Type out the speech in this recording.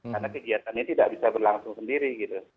karena kegiatan ini tidak bisa berlangsung sendiri